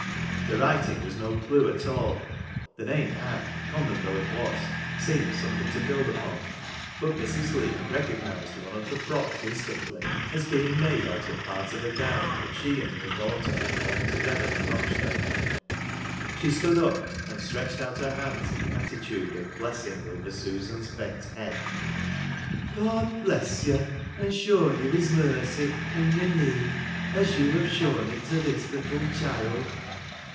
The writing was no clue at all ; the name ' Anne,' common though it was, seemed some thing to build upon. But Mrs. Leigh recog nised one of the frocks instantly, as being made out of part of a gown that she and her daughter had bought together in Rochdale. She stood up, and stretched out her hands in the attitude of blessing over Susan's bent ' God bless you, and show you His mercy in your need, as you have shown it to this little child.'